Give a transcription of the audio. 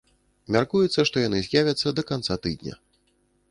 Мяркуецца, што яны з'явяцца да канца тыдня.